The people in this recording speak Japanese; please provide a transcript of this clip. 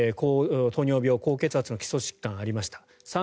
糖尿病、高血圧の基礎疾患がありました。